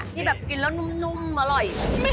ที่แบบกินแล้วนุ่มอร่อย